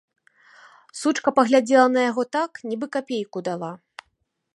Сучка паглядзела на яго так, нібы капейку дала.